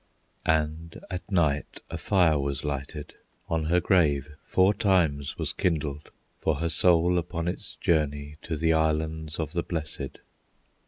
And at night a fire was lighted, On her grave four times was kindled, For her soul upon its journey To the Islands of the Blessed.